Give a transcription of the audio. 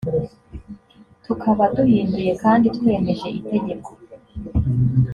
tukaba duhinduye kandi twemeje itegeko